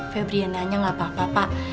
febrienanya gak apa apa pak